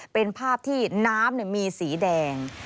เป็นภาพที่น้ำมีสีแดง